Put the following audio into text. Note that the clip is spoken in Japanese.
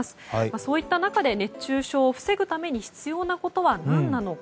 そういった中で熱中症を防ぐために必要なことは何なのか。